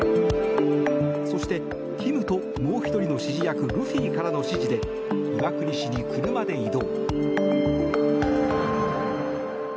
そしてキムともう１人の指示役ルフィからの指示で岩国市に車で移動。